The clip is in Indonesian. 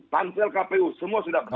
pansel kpu semua sudah